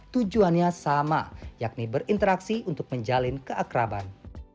tujuannya sama yakni berinteraksi untuk menjalin keakraban